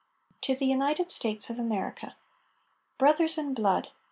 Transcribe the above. TO THE UNITED STATES OF AMERICA Brothers in blood!